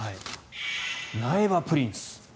苗場プリンス。